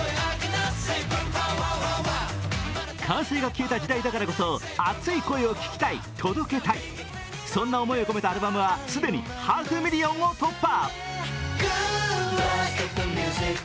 歓声が消えた時代だからこそ熱い声を聞きたい、届けたい、そんな思いを込めたアルバムは既にハーフミリオンを突破。